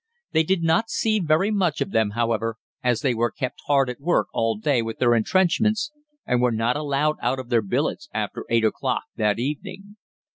They did not see very much of them, however, as they were kept hard at work all day with their entrenchments and were not allowed out of their billets after eight o'clock that evening.